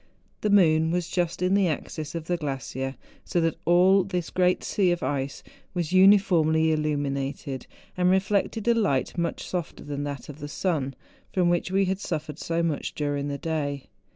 The moon was just in the axis of the glacier, so that all this great sea of ice was uniformly illuminated, and reflected a light much softer than that of the sun, from which we had suffered so much during the day.